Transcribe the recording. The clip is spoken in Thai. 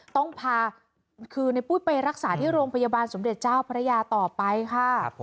ต้องพาคือในปุ้ยไปรักษาที่โรงพยาบาลสมเด็จเจ้าพระยาต่อไปค่ะ